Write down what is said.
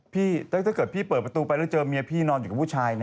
ถ้าเกิดพี่เปิดประตูไปแล้วเจอเมียพี่นอนอยู่กับผู้ชาย